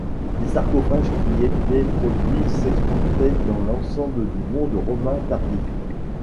Les sarcophages qui y étaient produits s'exportaient dans l'ensemble du monde romain tardif.